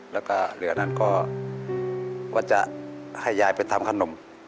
แล้วก็เหลือนั้นก็ว่าจะให้ยายไปทำขนม